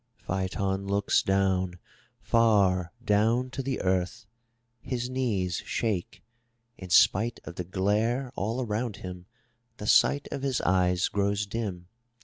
271 M Y BOOK HOUSE Phaeton looks down — far down to the earth. His knees shake. In spite of the glare all around him, the sight of his eyes grows dim.